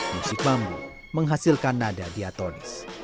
musik bambu menghasilkan nada diatonis